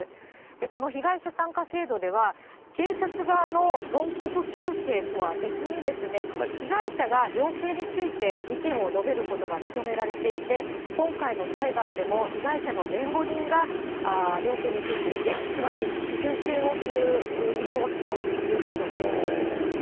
この被害者参加制度では、検察側の論告求刑とは別に、被害者が量刑について意見を述べることが認められていて、今回の裁判でも被害者の弁護人が量刑について意見、つまり求刑をする見通しということです。